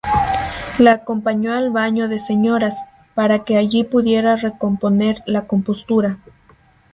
La acompañó al baño de señoras, para que allí pudiera recomponer la compostura.